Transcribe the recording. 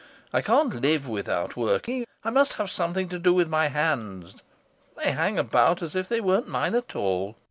I can't live without working. I must have something to do with my hands; they hang about as if they weren't mine at all.